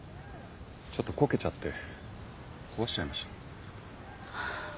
ちょっとこけちゃって壊しちゃいました。